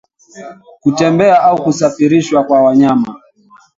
Kutembea au kusafirishwa kwa wanyama